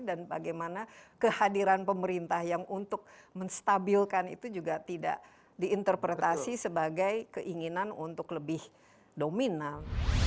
dan bagaimana kehadiran pemerintah yang untuk menstabilkan itu juga tidak diinterpretasi sebagai keinginan untuk lebih dominan